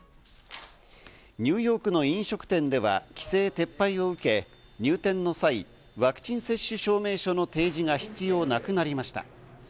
ニューヨークの飲食店では規制撤廃を受け、入店の際、ワクチン接種証明書の提示が必要なくなりました。